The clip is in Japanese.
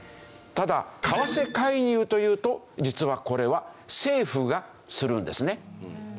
ただ為替介入というと実はこれは政府がするんですね。